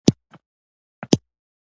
د قلندر مومند له يارانو څخه و.